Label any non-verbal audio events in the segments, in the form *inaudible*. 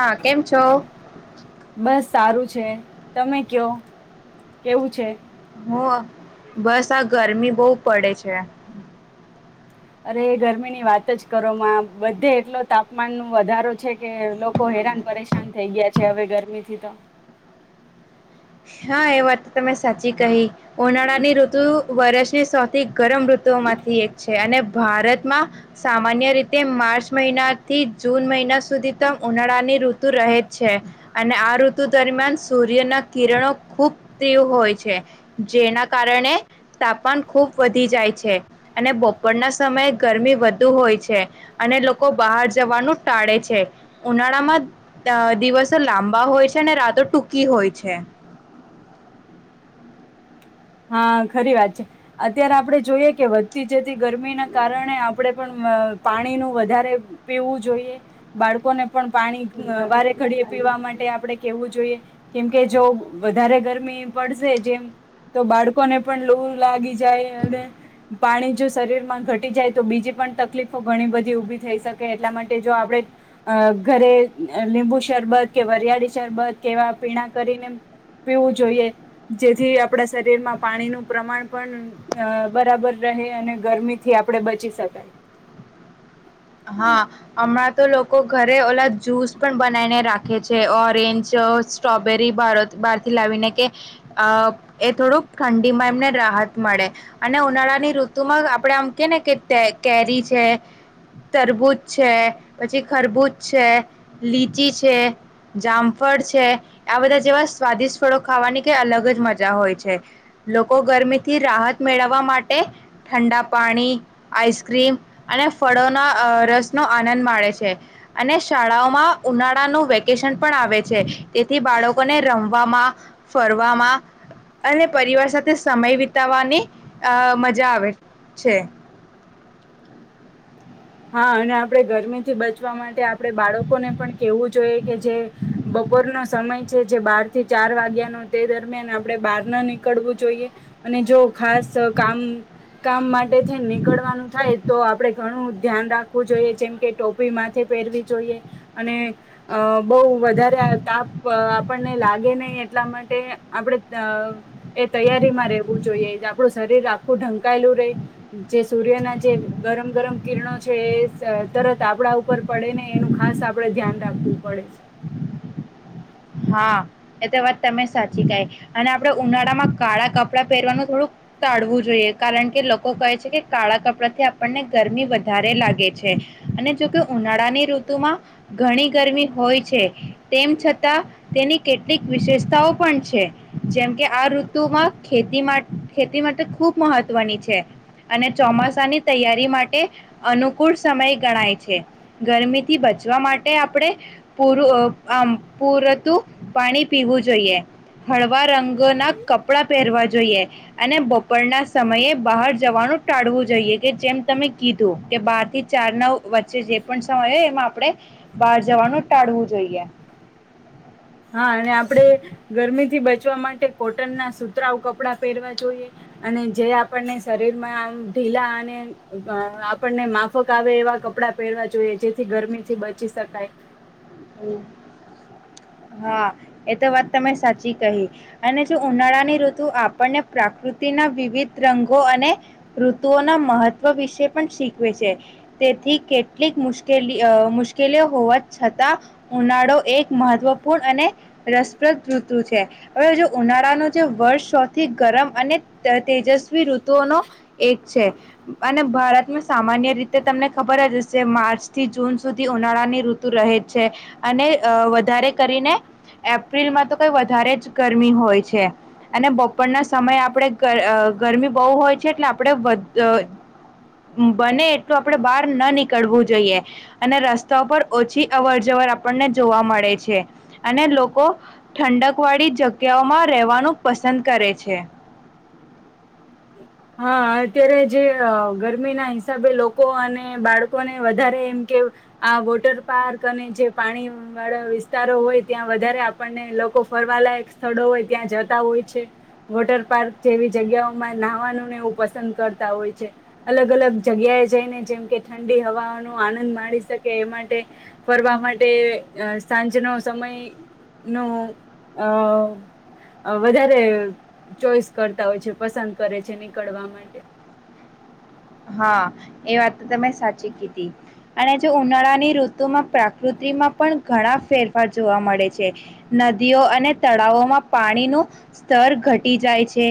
હા કેમ છો? બસ સારું છે. તમે કયો, કેવું છે? હો બસ આ ગરમી બહુ પડે છે. અરે ગરમીની વાત જ કરોમાં, બધે એટલો તાપમાન નો વધારો છે કે લોકો હેરાન પરેશાન થઈ ગયા છે હવે ગરમીથી તો. હા એ વાત તો તમે સાચી કહી. ઉનાળા ની ઋતુ વર્ષ *unintelligible* ગરમ ઋતુઓમાંથી એક છે. અને ભારતમાં સામાન્ય રીતે માર્ચ મહિનાથી જૂન મહિના સુધી તો ઉનાળાની ઋતુ રહે જ છે, અને આ ઋતુ દરમિયાન સૂર્યના કિરણો ખૂબ તીવ હોય છે. જેના કારણે તાપમાન ખૂબ વધી જાય છે, અને બપોરના સમયે ગરમી વધુ હોય છે, અને લોકો બહાર જવાનું ટાળે છે. ઉનાળામાં દિવસો લાંબા હોય છે, અને રાતો ટૂંકી હોય છે. હા, ખરી વાત છે. અત્યારે આપણે જોઈએ કે વધતી જતી ગરમીના કારણે આપડે પણ મ પાણીનું વધારે પીવું જોઈએ બાળકોને પણ પાણી અહ વારે ઘડીએ પીવા માટે આપડે કેવું જોઈએ કેમ કે જો વધારે ગરમી પડશે જેમ તો બાળકોને પણ લૂ લાગી જાય અને પાણી જો શરીરમાં ઘટી જાય તો બીજી પણ તકલીફો ઘણી બધી ઊભી થઈ શકે એટલા માટે જો આપડે અહ ઘરે લીંબુ શરબત કે વરિયાળી શરબત કેવા પીણા કરીને પીવું જોઈએ જેથી અહ પડા શરીરમાં પાણીનું પ્રમાણ પણ અહ બરાબર રહે અને ગરમીથી આપડે બચી શકાય. હા, હમણાં તો લોકો ઘરે ઓલા જ્યુસ પણ બનાવીને રાખે છે. ઓરેન્જ અહ સ્ટ્રોબેરી બહારથી લાવીને કે અહ એ થોડુંક ઠંડીમાં એમને રાહત મળે અને ઉનાળાની ઋતુમાં આપડે આમ કે ને કે તે કેરી છે તરબૂજ છે, પછી ખરબૂજ છે, લીચી છે, જામફળ છે, આ બધા જેવા સ્વાદિષ્ટ ફળો ખાવાની કંઈ અલગ જ મજા હોય છે. લોકો ગરમીથી રાહત મેળવવા માટે ઠંડા પાણી, આઈસ્ક્રીમ, અને ફળોના અહ રસનો આનંદ માડે છે અને શાળાઓમાં ઉનાળાનું વેકેશન પણ આવે છે. તેથી બાળકોને રમવામાં ફરવામાં અને પરિવાર સાથે સમય વિતાવવાની અહ મજા આવે છે. હા, અને આપડે ગરમીથી બચવા માટે આપડે બાળકોને પણ કેવું જોઈએ કે જે બપોરનો સમય છે જે બાર થી ચાર વાગ્યાનો તે દરમિયાન આપડે બહાર ના નીકળવું જોઈએ. અને જો ખાસ અહ કામ કામ માટે થઈ નીકળવાનું થાય તો આપડે ઘણું ધ્યાન રાખવું જોઈએ જેમકે ટોપી માથે પહેરવી જોઈએ અને અહ બહુ વધારે તાપ આપણને લાગે નહીં એટલા માટે આપડે અહ એ તૈયારીમાં રહેવું જોઈએ આપડુ શરીર આખું ઢંકાયેલું રહે જે સૂર્યના જે ગરમ ગરમ કિરણો છે એ સ તરત આપણા ઉપર પડે ને એનું ખાસ આપડે ધ્યાન રાખવું પડે છે. હા, એ તો વાત તમે સાચી કાય અને આપડે ઉનાળામાં કાળા કપડાં પહેરવાનું થોડુંક ટાળવું જોઈએ કારણ કે લોકો કહે છે કે કાળા કપડા થી આપણને ગરમી વધારે લાગે છે. અને જોકે ઉનાળાની ઋતુમાં ઘણી ગરમી હોય છે તેમ છતાં તેની કેટલીક વિશેષતાઓ પણ છે. જેમકે આ ઋતુમાં ખેતી માં ખેતી માટે ખૂબ મહત્વની છે અને ચોમાસાની તૈયારી માટે અનુકૂળ સમય ગણાય છે. ગરમીથી બચવા માટે આપડે પૂર અહ આમ પૂર તું પાણી પીવું જોઈએ. હળવા રંગોના કપડા પહેરવા જોઈએ અને બપોરના સમયે બહાર જવાનું ટાળવું જોઈએ કે જેમ તમે કીધું કે બાર થી ચાર ના વચ્ચે જે પણ સમય હોય એમાં આપણે બહાર જવાનું ટાળવું જોઈએ. હા અને આપણે ગરમીથી બચવા માટે કોટનના સુતરાઉ કપડાં પહેરવા જોઈએ અને જે આપણને શરીરમાં ઢીલા અને આપણને માફક આવે એવા કપડા પહેરવા જોઈએ જેથી ગરમીથી બચી શકાય. હા એ તો વાત તમે સાચી કહી અને જો ઉનાળાની ઋતુ આપણને પ્રાકૃતિના વિવિધ રંગો અને ઋતુઓના મહત્વ વિશે પણ શીખવે છે તેથી કેટલીક મુશ્કેલી મુશ્કેલીઓ હોવા છતાં. ઉનાળો એક મહત્વપૂર્ણ અને રસપ્રદ ઋતુ છે હવે જો ઉનાળાનો જે વર્ષ સૌથી ગરમ અને તેજસ્વી ઋતુઓનો એક છે અને ભારતમાં સામાન્ય રીતે તમને ખબર જ હશે માર્ચ થી જૂન સુધી ઉનાળાની ઋતુ રહે જ. અને વધારે કરીને એપ્રિલમાં તો કઈ વધારે જ ગરમી હોય છે અને બપોરના સમયે આપણે ગરમી બહુ હોય છે એટલે આપણે બને એટલું આપણે બહાર ન નીકળવું જોઈએ અને રસ્તા પર ઓછી. અવર જવર આપણને જોવા મળે છે અને લોકો ઠંડક વાળી જગ્યાઓમાં રહેવાનું પસંદ કરે છે. હા અત્યારે જે ગરમી ના હિસાબે લોકો અને બાળકોને વધારે એમ કે આ વોટર પાર્ક અને જે પાણી વાળા વિસ્તારો હોય ત્યાં વધારે આપણને લોકો ફરવાલાયક સ્થળો હોય ત્યાં જતા હોય છે વોટર પાર્ક જેવી જગ્યાઓમાં નહવાનું. હોય છે અલગ અલગ જગ્યાએ જઈને જેમ કે ઠંડી હવા ન આનંદ માણી શકે એ માટે ફરવા માટે સાંજનો સમય નો અ વધારે ચોઈસ કરતા હોય છે પસંદ કરે છે. કરવા માટે. હા એ વાત તમે સાચી કીધી અને જો ઉનાળાની ઋતુમાં પ્રકૃતિમાં પણ ઘણા ફેરફાર જોવા મળે છે નદીઓ અને તળાવોમાં પાણીનું સ્તર ઘટી જાય છે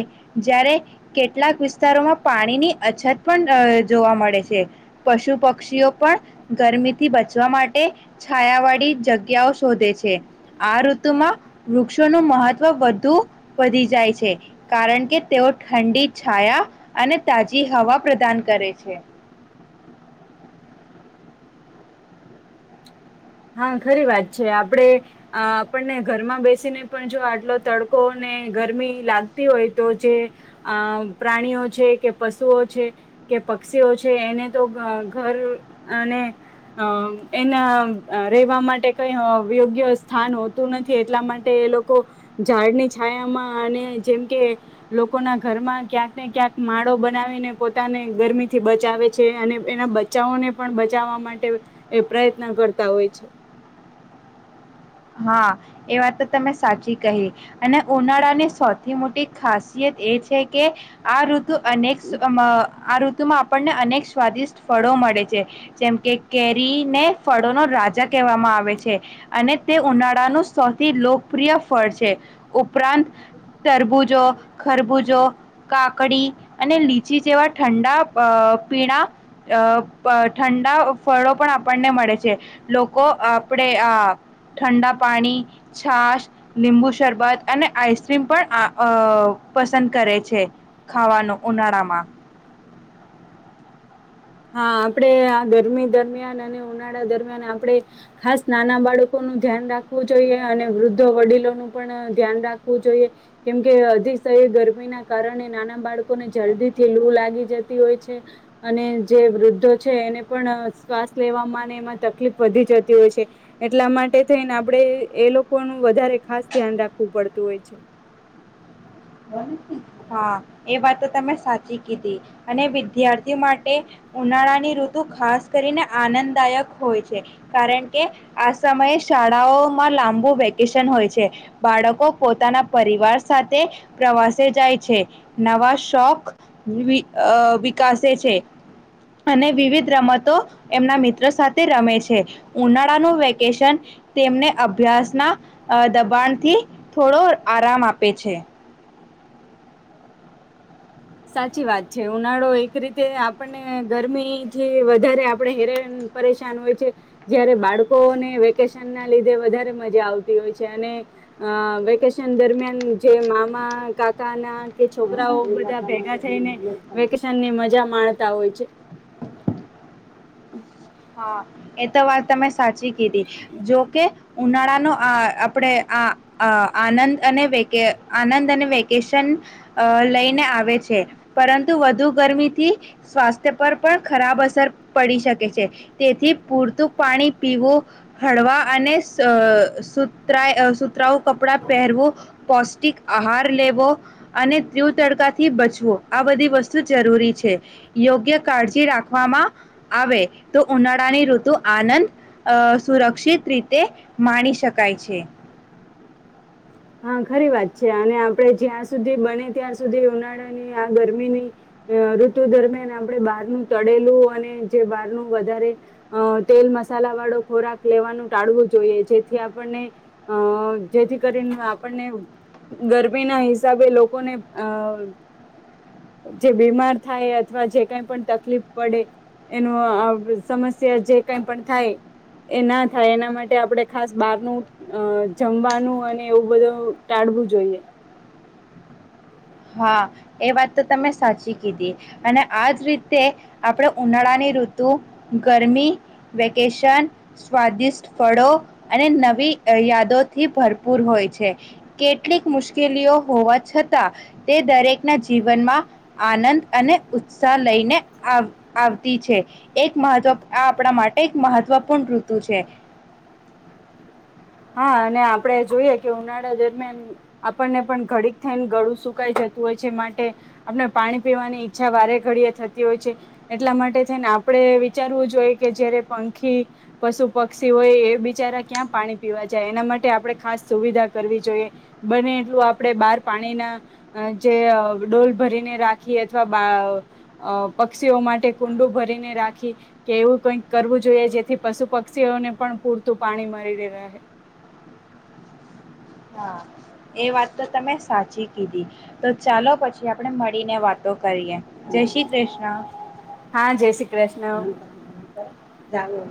જ્યારે કેટલાક વિસ્તારોમાં પાણીની અછત. પણ જોવા મળે છે પશુ પક્ષીઓ પણ ગરમીથી બચવા માટે છાયાવાળી જગ્યાઓ શોધે છે આ ઋતુમાં વૃક્ષોનું મહત્વ વધુ વધી જાય છે કારણ કે તેઓ ઠંડી છાયા અને તાજી હવા. પ્રદાન કરે છે. હા ખરી વાત છે આપણે આપણને ઘરમાં બેસીને પણ જો આટલો તડકોને ગરમી લાગતી હોય તો જે આ પ્રાણીઓ છે કે પશુઓ છે કે પક્ષીઓ છે એને તો ઘર અને અ એના. રહેવા માટે કઈ યોગ્ય સ્થાન હોતું નથી એટલા માટે એ લોકો ઝાડની છાયામાં અને જેમ કે લોકોના ઘરમાં ક્યાંક ને ક્યાંક માળો બનાવીને પોતાને ગરમી થી બચાવે છે અને એના બચાઓને પણ બચાવવા માટે પ્રયત્ન કરતા. તા હોય છે. હા એ વાત તો તમે સાચી કહી અને ઉનાળાની સૌથી મોટી ખાસિયત એ છે કે આઋતુ. નેક્. વસ્તુમાં આપણને અનેક સ્વાદિષ્ટ ફળો મળે છે જેમ કે કેરીને ફળોનો રાજા કહેવામાં આવે છે અને. તે ઉનાળાનું સૌથી લોકપ્રિય ફળ છે ઉપરાંત તરબૂજો ખરબૂજો કાકડી અને લીચી જેવા ઠંડા અ પીણા અ ઠંડા ફળો. પણ આપણને મળે છે. લોકો આપડે આ. ઠંડા પાણી છાાસ લીંબુ શરબત અને આઈસક્રીમ પણ આ પસંદ કરે છે ખાવાનું ઉનાળામાં. હા આપણેે આ ગરમી દરમિયાન અને ઉનાળા દરમિયાન આપણેે ખાસ નાના બાળકોનું ધ્યાન રાખવું જોઈએ અને વૃદ્ધ વડીલોનું પણ ધ્યાન રાખવું જોઈએ કેમકે અતિશય ગરમી ના કારણે નાના બાળકોને જલ્દી થી લૂ લાગી જતી હોય છે અને. જે વૃદ્ધો છે એને પણ શ્વાસ લેવામાં એમાં તકલીફ વધી જતી હોય છે એટલા માટે થઈને આપણે એ લોકોનું વધારે ખાસ ધ્યાન રાખવું પડતું હોય છે. હા એ વાત તો તમે સાચી. ીધી અને વિદ્યાર્થી. માટે ઉનાળાની ઋતુ ખાસ કરીને આનંદદાયક હોય છે કારણ કે આ સમયે શાળાઓમાં લાંબુ વેકેશન હોય છે બાળકો પોતાના પરિવાર સાથે પ્રવાસે જાય. નવા શોખ વિકસે છે અને વિવિધ રમતો એમના મ. સાથે રમે છે ઉનાળા ન વેકેશન તેમને અભ્યાસ. ના દબાણથી થોડો આરામ આપે છે. સાચી વાત છે ઉનાળો એક રીતે આપણને ગરમીથી વધારે આપણે હેરે પરેશાન હોય છે જયારે બાળકોને વેકેશન ના લીધે વધારે મજા આવતી હોય છે અને અ વેકેશન દરમિયાન જે મામા કાકા ના. કે છોકરાઓ વા. ભેગા થઈને વેકેશન ની મજા માણતા હોય છે. હા એ તો વાત તમે સાચી. હતી જો કે. ઉનાળાનો આ આપણે આ આનંદ અનેેકે આનંદ અને વેકેશન લઈને આવે છે પરંતુ વધુ ગરમીથી સ્વાસ્થ્ય પર પણ ખરાબ અસર પડી શકે છે. તેથી પૂરતું પાણી પીવું હળવા અને સુરા સુતરાવ. કપડા પહેરવું. પૌષ્ટિક આહાર લેવો અને ત્યવ તડકા થી બચવો આ બધી વસ્તુ જરૂરી છે યોગ્ય કાળજી રાખવામાં આવે. તો ઉનાળાની ઋતુ આનંદ સુરક્ષિત રીતે માણી શકાય છે. હા ખરી વાત છે અને આપણેે જ્યાં સુધી બને ત્યાં સુધી ઉનાળાની આ ગરમીની ઋતુ દરમિયાન આપણે બહારનું તળેલું અને જે બહારનું વધારે તેલ મસાલા વાળો ખોરાક લેવાનું ટાળવું જોઈએ જેથી આપણને અ જેથી કરીને. આપણને, ગરમીના હિસાબે લોકોને, અ જે બીમાર થાય અથવા જે કઈ પણ તકલીફ પડે, એનું અ, સમસ્યા જે કઈ પણ થાય, એ ના થાય એના માટે, આપણે ખાસ બારનું જમવાનું અને એવું બધું ટાળવું જોઈએ. હા, એ વાત તો તમે સાચી કીધી. અને આજ રીતે આપણે ઉનાળાની ઋતુ, ગરમી, વેકેશન, સ્વાદિષ્ટ ફળો અને નવી યાદોથી ભરપૂર હોય છે. કેટલીક મુશ્કેલીઓ હોવા છતા તે દરેકના જીવનમાં આનંદ અને ઉત્સાહ લઈને આવ, આવતી છે. એક મહત્વ, આ આપણા માટે એક મહત્વપૂર્ણ ઋતુ છે. હા, અને આપડે જોઈએ કે ઉનાળા દરમિયાન આપણને પણ ઘડીક થઈને ગળું સુકાઈ જતું હોય છે. માટે, આપને પાણી પીવાની ઈચ્છા વારે ઘડીએ થતી હોય છે. એટલા માટે થઈને, આપડે વિચારવું જોઈએ કે જયારે પંખી પશુ પક્ષીઓ એ બિચારા ક્યાં પાણી પીવા જાય? એના માટે આપણે ખાસ સુવિધા કરવી જોઈએ. બને એટલું આપણેે બાર પાણીના જે, અ, ડોલ ભરીને રાખી, અથવા બ, અ, પક્ષીઓ માટે કુંડું ભરીને રાખી, કે એવું કઈક કરવું જોઈએ, જેથી પશુ પક્ષીઓને પણ પૂરતું પાણી મળી ર, રહે. હા, એ વાત તો તમે સાચી કીધી. તો ચાલો પછી આપણે મળીને વાતો કરીએ! જય શ્રી ક્રિષ્ના! હા જય શ્રી કૃષ્ણ ચાલો,